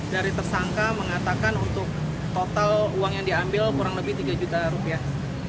dari tersangka mengatakan untuk total uang yang diambil kurang lebih tiga juta rupiah